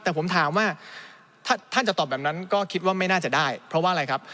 แต่ผมถามว่าถ้าท่านจะตอบแบบนั้นก็คิดว่าไม่น่าจะได้เพราะว่าอะไรครับ